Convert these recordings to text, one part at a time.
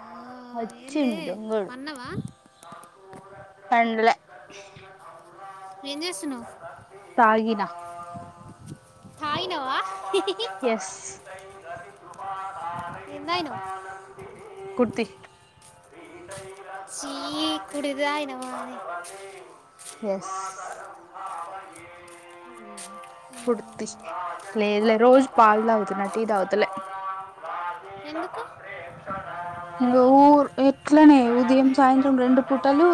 ఆ, ఏందే అచ్చిండు దొంగోడు మన్నవా తండులా ఏం చేస్తున్నావ్ తాగిన తాగినావా ఎస్ నైను కుర్తి చీ ఇప్పుడు ఇదైనామాని ఎస్ లేదులే రోజు పాలు తాగుతున్నా టీ తాగుతలే ఎందుకు ఊరు ఎట్లనే ఉదయం సాయంత్రం రెండు పూటలు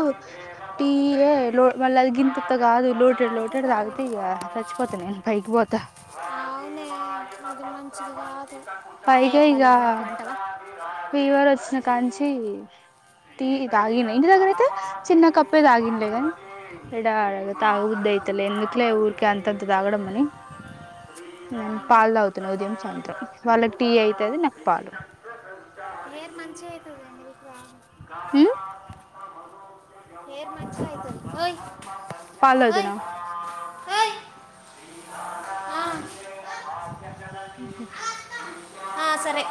టీయే లో మళ్ళీ అది గింతంత కాదు లోటెడ్ లోటెడ్ తాగితే ఇక చచ్చిపోతా నేను పైకి పోతా ఆది పైగేయి [unintelligible] ఫీవర్ వచ్చిన కాంచి టీ తాగిన ఇంటి దగ్గర అయితే చిన్న కప్పే తాగినలే గాని ఇడ తాగబుద్దు శ్రీమాతరం అవుతలే ఎందుకులే భావయే ఊరికే అంతంత తాగడం అని నేను శ్రీరామ పాలు తాగుతున్నా ఉదయం సాయంత్రం వాళ్ళకి టీ అయితది నా పాలు ఏర్ మంచిగా అయితుద మీ ఊ ఓయ్ పాలోజినా ఏయ్ ఆ ఊహూ ఆ సరే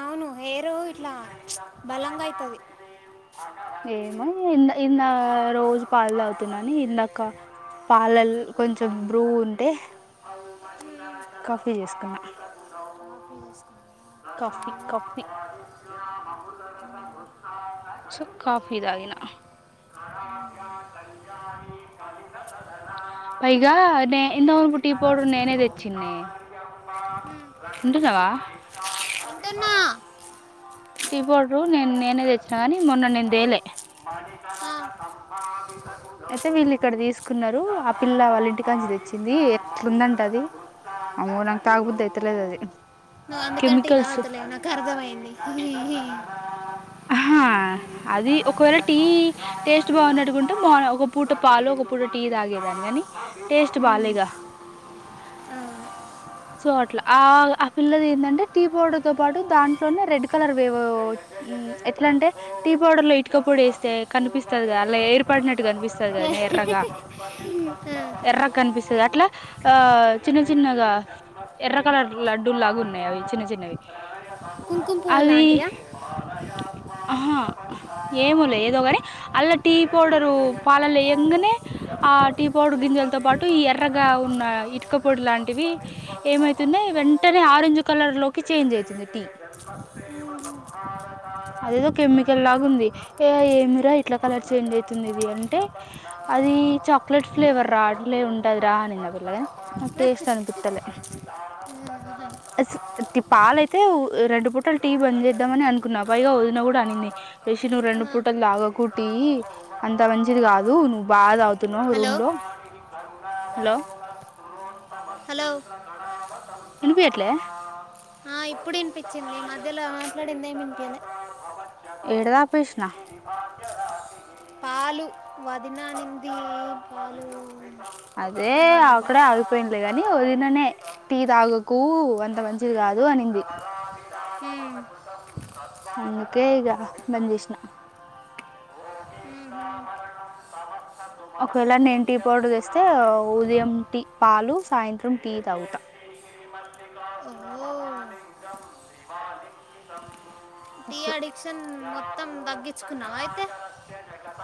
అవును హెరో ఇట్లా బలంగా ఐతది ఏమో ఇంద ఇంద రోజు పాలు తాగుతున్నాని ఇందాక పాలల్ కొంచెం బ్రూ ఉంటే కాఫీ చేసుకున్నా హూ కాఫీ కాఫీ సో కాఫీ దాగినా ఊ పైగా నే ఇంతవొరకు టీ పౌడర్ నేనే తెచ్చిన్నే ఊ అ వా స్తున్నా టీ పౌడర్ నేన్ నేనే తెచ్చిన కాని మొన్న నేను తేలే ఆ అయితే వీళ్ళు ఇక్కడ తీసుకున్నారు. ఆ పిల్ల వాళ్ళ ఇంటికాడ్నుంచి తెచ్చింది. ఎట్లుందంటె అది అమ్మో నాకు తాగబుద్ది అయితల్లేదు అది. నువ్వు అందుకనే టీ కెమికల్స్ తాగుతా లేవు నాకు అర్థమైంది. ఆహ్ అది ఒకవేళ టీ టేస్ట్ బాగున్నట్టుకుంటే మా ఒక పూట పాలు ఒక పూట టీ తాగేదాన్ని కాని రచయితుమహిష్టార్థ టేస్ట్ విభవ ఉమ్, బాలేగా. ఆ. సో అట్ల ఆ ఆ పిల్లది ఏంటంటే టీ పౌడర్ తో పాటు దాంట్లోనే రెడ్ కలర్ వేవో జయ జయ ఊ జయ ఎట్లంటే శంభో టీ పౌడర్ లో ఇటుక జంభసి పొడేస్తే కనిపిస్తది గా పూర్వమేవ అలా ఏర్పడినట్టు కనిపిస్తాది ప్రణతపరతో గదనే ఎర్రగా ఎర్రగా కనిపిస్తది అట్లా ఆ జయ చిన్న జయ చిన్నగా జయ ఎర్ర జన్మదేవ కలర్ లడ్డూలు సంహారక లాగున్నాయి అవి చిన్న చిన్నవి ప్రణయ కుంకుమ పువ్వు అది లాంటియా పాలయాత్మాన్ ఆహా ఏమోలే ప్రపన్నాం ఏదో గాని అల్ల టీ జయ జయ పౌడరు జయ పాలళ్ళ శంభో వెయ్యంగనే ఆ టీ పౌడర్ గింజలతో పాటు జంబూర్వదేవ ఈ ఎర్రగా ఉ ప్రణతమన న్న ఇటుక పొడి లాంటివి ఏమైతున్నాయి సరోజస్వంతో వెంటనే ఆరెంజ్ కలర్ లోకి జయ చేంజ్ జయ అయితుంది టీ జయ జన్మసేవ సంహారకార అదేదో కెమికల్ ప్రణయ లాగా ఉంది ఏ సగుణమూర్తి ఏమిరా ఇట్లా కలర్ చేంజ్ అయితుంది ఆలయాత్మా ఇది అంటే ప్రపన్నా అది చాక్లెట్ ఫ్లేవర్ రా అట్లే ఉంటదిరా స్వరూపం అనింది ఆ పిల్లగాని పల్లవపాం నాకు టేస్ట్ అనిపిత్తలే అసలు తి పాలయితే టీ బంద్ విలోకయన్ చేద్దామని అనుకున్నా పైగా విష్ణురథాం వదిన కూడా. నిన్నే రిషి నువ్వు రెండు పవయే పూటలు తాగకు. టీ గిరితాప అంత మంచిది కాదు పౌవః నువ్వు. బాగా తాగ్. తాగుతున్నావ్ హలో రూమ్ లో హలో హలో వినిపీయట్లే. ఆహ్ ఇప్పుడు వినిపించింది మధ్యలో మాట్లాడిందేమి వినిపియ్యలే. ప జతౌ ఏడ ఆపేసిన శ్రీగిరి భార్యరా పాలు వదిన అనింది పాలు. అదే అనే మా అన్న అక్కడే ఆగిపోయింలే గాని వదిననే టీ తాగకు అంత మంచిది కాదు. వద్దు అనింది. ఉమ్ అందుకే ఇగ బంద్ చేసిన ోమిమరణం తమ ఒకవేళ నేను టీ పౌడర్ తెస్తే ఉదయం టీ ఉమ్మ్. పాలు సాయంత్రం టీ తాగుతా అ టీ అట్లా అడిషన్ మొత్తం తగ్గించుకున్నావ అయితే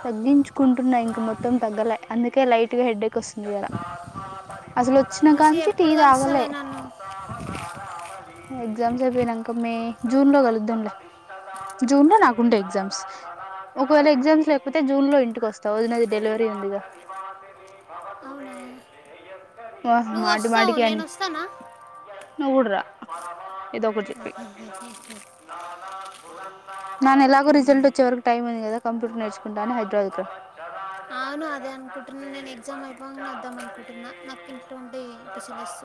తగ్గించుకుంటున్నా ఇంక మొత్తం తగ్గలే అందుకే లైట్ గా హెడ్డేక్ వస్తుంది ఇవ్వాల అసలు వచ్చినా రిషి కానుంచీ టీ ఎప్పుడు తాగలే కలుస్తావే నన్ను ఎగ్జామ్స్ అయిపోయినాక మే జూన్ లో కలుద్దంలే జూన్ లో నాకుండే ఎగ్జామ్స్ ఒకవేళ ఎగ్జామ్స్ లే అయితే జూన్ లో ఇంటికి వస్త అవునా. నువ్వు మాటి వస్తావు మాటికి నేను అని వస్తానా. నువ్వు కూడా రా ఏదో ఒకటి చెప్పి ఆహ్ నాన్న ఎలాగో రిజల్ట్ వచ్చే వరకు టైం ఉంది కాదా కంప్యూటర్ నేర్చుకుంటాను హైదరాబాద్ కి రా అవును అదే అనుకుంటున్నా నేను ఎగ్జామ్ అయిపోగానే వద్దాం అనుకుంటున్నా నాకు ఇంట్లో ఉంటే పిచ్చి లేస్తుంది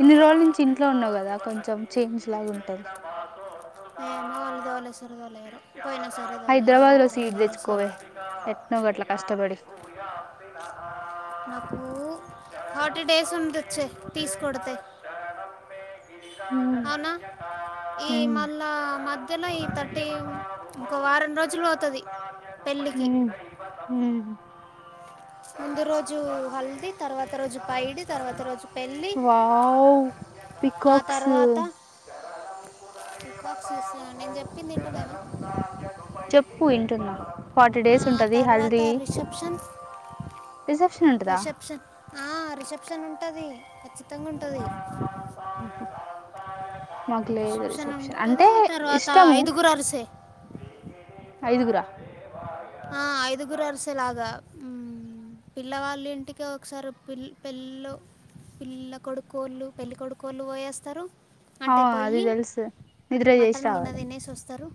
ఇన్ని రోజుల నుంచి ఇంట్లో ఉన్నావు కదా కొంచెం చేంజ్ లాగా ఉంటది త్వరగా లేరు పోయినా సరద లేదు హైదరాబాద్ లో సీట్ తెచ్చుకోవే ఎట్నో గట్ల కష్టపడి నాకు ఫర్టీ డేస్ ఉండొచ్చే తీసుకడితే అవునా ఈ మళ్ళా మ జులై థర్టీ ఇంకో వారం రోజులు అవుతది పెళ్లికి హు ముందు రోజు హల్ది తర్వాత రోజు పైడి తర్వాత రోజు పెళ్ళి వావ్ ఆ పికాక్స్ తర్వాత పికక్స్ చూస్తున్నావా నేను చెప్పింది వెంటున్నావా చెప్పు వింటున్నా ఫార్టీ డేస్ ఆ ఉంటది తర్వాత హల్దీ రిసెప్షన్ రిసెప్షన్ ఉంటదా రిసెప్షన్ రిసెప్షన్ ఉంటది ఖచ్చితంగా ఉంటది మాకు లేదు రిసెప్షన్ ఉంటుంది అంటే తర్వాత ఇష్టము ఐదుగురు అరిసే ఐదుగురా ఐదుగురు అరిసేలాగా పిల్లవాళ్ళ ఇంటికి ఒకసారి పి పెళ్ళ పిల్ల కొడుకోడుకు పెళ్లి కొడుకోళ్ళు పోయేస్తారు అ అంటే అది పోయి థెలుసు, నిద్ర చేసి మటన్ గిన్నె రావాలి. తినేసి వస్తారు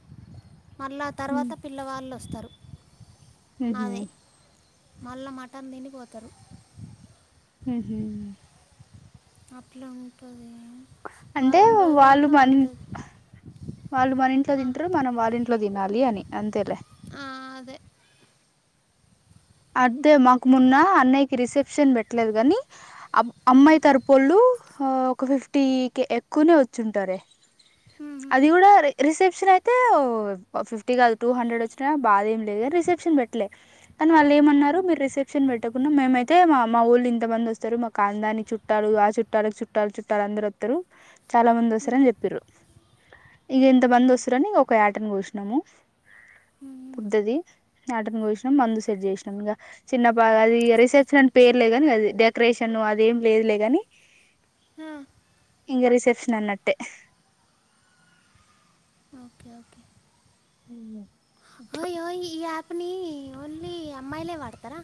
మళ్ళా తర్వాత పిల్లవాళ్ళు వస్ తరు ఉహు మళ్ళా మటన్ తినిపోతరు. హుహు అట్ల ఉంటది. అంటే వాళ్ళు మన్, వాళ్ళు మన ఇంట్లో ఆ, తింట్రు మనం వాళ్ళింట్లో తినాలి అని అంతేలే ఆ, అదే అద్దే మాకు మొన్న అన్నయ్యకి రిసెప్షన్ బెట్ట్లేదు కాని అబ్ ఉమ్, అమ్మాయి తరపొళ్ళు ఆ ఒక ఫిఫ్టీ కె ఎక్కువనే వచ్చుంటారే ఉమ్, అది కూడా రిసెప్షన్ అయి అయితే ఫిఫ్టీ కాదు టూ హండ్రెడ్ వచ్చినా బాధ ఏం లేదు కానీ రిసెప్షన్ పెట్టలే కానీ వాళ్లు ఉమ్, ఏమన్నారు మీరు రిసెప్షన్ పెట్డి పెట్టకున్న మేమైతే మా మా ఒళ్ళు ఇంత మంది వస్తారు మా కాందాన్ని చుట్టాలు ఆ చుట్టాలకు చుట్టాలు చుట్టాలు అందరు వస్తారు చాలా మంది ఉమ్, వస్సరని చెప్పిరు, ఇగ ఎంత మంది ఉమ్, వస్రని ఒక యా టన్ ఒష్ణము. ఉమ్, పుద్దది యాటన్ కోష్నమ్ మందుస్ పేర్ జేస్నం ఇంగ చిన్నప్ప అది రిసెప్షనన్ పేర్లేగాని అది డెకరేషను అదేం లేదులే గాని హా ఇంగ రిసెప్షన్ అన్నట్టే ఓకే ఓకే ఉ ఓయ్ ఓయ్ ఇయ ప్పుని ఓన్లీ అమ్మాయిలే వాడతారా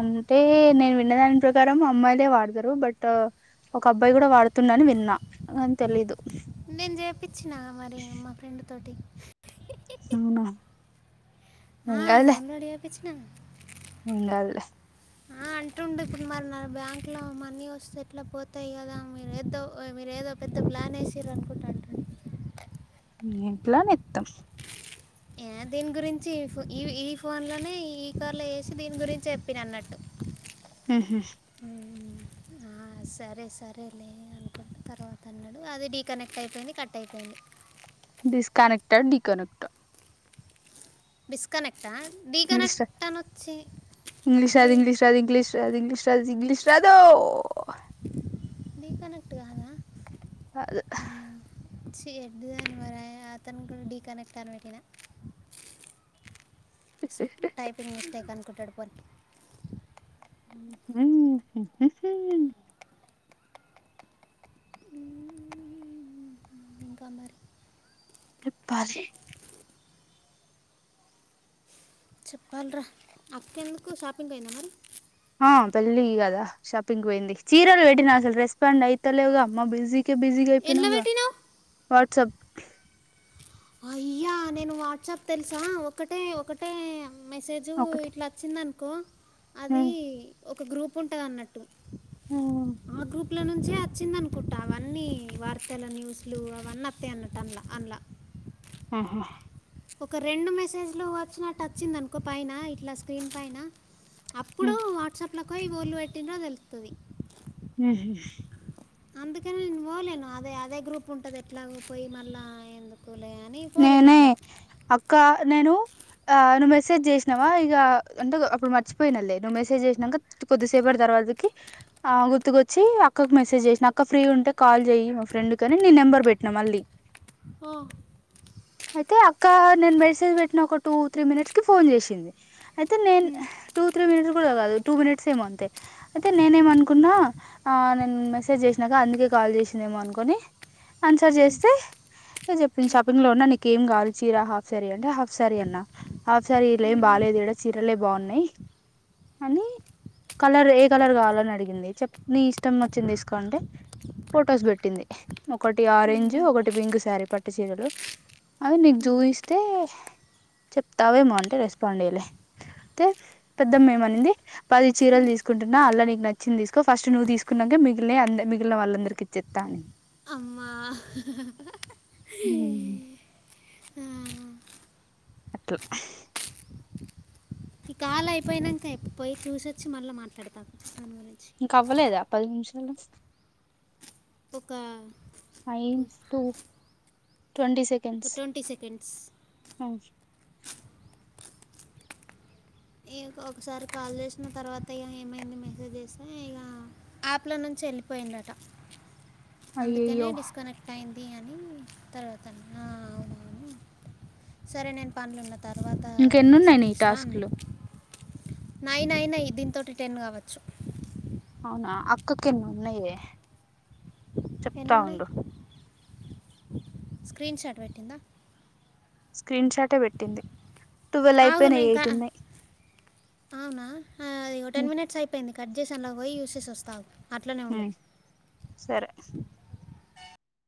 అంటే నేను విన్న దాని ప్రకారం అమ్మాయిలే వాడతారు, బట్ ఒక అబ్బాయి కూడా వాడుతున్నని విన్నా తెలీదు నేన్ జేపిచ్చినా మరి మా ఫ్రెండ్ తోటి సైండ్ ఆ డౌన్లోడ్ ఏపిచ్ న ఉండాద్ లె ఆ అంటుండు ఇప్పుడు మరి నా బ్యాంక్ లో మనీ వస్సే ఎట్ల పోతయ్ గదా మీరెదో మీరు ఏదో పెద్ద ప్లాన్ ఏసిర్రు రనుకుంటాంట ఇంట్లా నెత్తం ఏ దీని గురించి ఈ ఫోన్ ఈవి ఈ ఫోన్ లోనే, ఈ ఈ కార్లో ఏసి దీని గురించెప్పిన అన్నట్టు ఉ ఆ సరే సరేలే అనుకు తర్వాత అన్నాడు, అది డీకనెక్ట్ అయిపెయింది కట్ట్ అయిపెయింది. డిస్కనెక్టర్డ్ డి కనక్ట్ బిస్కనెక్ ఇంగ్లీష్ రా ఇంగ్లీష్ రాదు ఇంగ్లీష్ రాదు ఇంగ్లీష్ రాదు ఇంగ్లీష్ టాస్ ఇంగ్లీష్ రాదో డీ కనెక్ట్ గాదా కాదు ఛీ ఎడ్డిదానివేనే అతను కూడా డీ కనెక్ట్ అని బెట్టినా టైపింగ్ మిస్టేక్ అనుకుంటాడు పోరి ఇంకా మరి రెప్పాలీ చెప్పాలిరా అక్కెందుకు షాపింగ్ పోయిందా మరి ఆ పెళ్ళి గదా షాపింగ్గొయింది చీరలు వెట్టినా అసలు రెస్పాండ్ అయితలేవుగ మ బిజీ కె బిజీ గైపెనావ్ ఎందులో గ, పెట్టినావు వాట్సప్ అయ్యా నేను వాట్సాప్ తెలుసా ఒకటే ఒకటే మెసేజ్ ఒకటి ఇట్ల వచ్చిందన్. కొ అది ఒక గ్రూప్ ఉంటది అన్నట్టు ఆ గ్రూప్ ట్ల నుంచే వచ్చిందనుకుంటా అవన్నీ వార్తలు న్యూస్ లు అవన్నీ వస్తాయి అన్నట్టు అన్లా అన్లా ఊహూ ఒక రెండు మెసేజ్లు వచ్చినట్టు అచ్చిందనుకో పైన ఇట్లా స్క్రీన్ పైన హ్మ్ అప్పుడు వాట్సాప్ అలకోయ్ ఓళ్ళు పెట్టినా తెలుత్తది హుహు అందుకని నేను పోలేను అదే అదే గ్రూప్ ఉంటది ఎట్లాగూ పోయి మళ్ళా ఎందుకు నేనే అక్క నేను ఆ అను మెసేజ్ చేసినావా ఇక అంటే అప్పుడు మర్చిపోయినళ్లే నువ్వు మెసేజ్ చేసినంక కొద్దిసేపటి తర్వాతకి గుర్తుకొచ్చి అక్కకు మెసేజ్ చేసినా అక్క ఫ్రీ ఉంటే కాల్ చెయ్యి మా ఫ్రెండ్ కని నీ నెంబర్ పెట్టినా మళ్ళీ ఓ అయితే అక్క నేను మెసేజ్ పెట్టిన ఒక టూ త్రీ మినిట్స్ కి ఫోన్ చేసింది అయితే నేను ఉమ్, టూ త్రీ మినిట్ కాదు టూ మినిట్స్ ఏమో అంతే అయితే ఉమ్, నేనేమనుకున్నా ఆ నేను మెసేజ్ చేసినాక అందుకే కాల్ చేసిందేమో అనుకోని ఆన్సర్ ఉమ్, చేస్తే అ చెప్ప నేను షాపింగ్లో ఉన్నా నీకు ఏం కావాలి చీర హాఫ్ శారీ అంటే హాఫ్ శారీ అన్నా హాఫ్ శారీలేం ఏం ఉమ్. బాగాలేదు ఇడ చీరలే బాగున్నాయి అని కలర్ ఏ కలర్ కావాలని అడిగింది చెప్ నీ ఇష్టం వచ్చింది తీసుకో అంటే ఫొటోస్ పెట్టింది ఒకటి ఆరెంజ్ ఒకటి పింక్ శారీ పట్ పట్టు చీరలు అవి నీకు చూపిస్తే చెప్తావేమో అంటే రెస్పాండ్ అయ్యలే అయితే పెద్దమ్మ ఏమనింది పది చీరలు తీసుకుంటున్నా అళ్లా నీకు నచ్చింది తీసుకో ఫస్ట్ నువ్వు తీసుకున్నాక మిగిలి మిగిలిన వాళ్ళందరికి ఇచ్చేస్తా అని అమ్మా అ ఆ, అప్పుడు ఈ కాలు అయిపోయినంక ఎప్పుపోయి చూసోచ్చి మళ్ళ మాట్లాడతా ఇంక అవ్వలేదు పది నుమిష హలో ఒక nines two twenty twenty seconds అ ఒకసారి కాల్ చేసిన తర్వాత ఇక ఏమైంది మెసేజ్ చేస్తే ఇక యాప్ల నుంచి వెళ్ళిపోయిందట అందుకేనే అయ్యయ్యో డిస్కనెక్ట్ అయింది అని తర్వాత అవునవును సరే నేను పన్లో ఉన్న తర్వాత ఇంక ఎన్ని ఉన్నాయి మెసేజ్ నీ చేస్తా టాస్క్ లు అన్నాడు నైన్ అయినాయి దీంతోటి టెన్ కావచ్చు అవునా అక్క క ఎన్ని ఉన్నాయి చెప్తా ఎన్ని ఉన్నాయి ఉండు స్క్రీన్ షాట్ పెట్టిందా స్క్రీన్ షాటే పెట్టింది టువెల్వ్ ఆగు అయిపోయినాయి నేను ఎయిట్ కా- ఉన్నాయి అవునా ఇగో టెన్మినిట్స్ అయిపోయింది గడ్జెస్ అన్నావ్ కదా పొయ్యి చూసెస్ వస్తావు అట్లనే హ ఉండు సరే